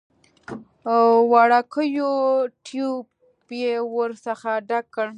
وړوکی ټيوب يې ورڅخه ډک کړ.